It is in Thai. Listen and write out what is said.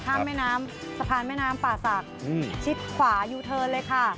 แม่น้ำสะพานแม่น้ำป่าศักดิ์ชิดขวายูเทิร์นเลยค่ะ